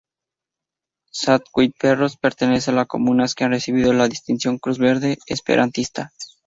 Saint-Quay-Perros pertenece a las comunas que han recibido la distinción "cruz verde" esperantista.